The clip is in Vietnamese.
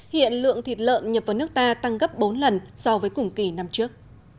hiện lượng thịt lợn nhập vào nước ta tăng gấp bốn lần so với cùng kỳ năm trước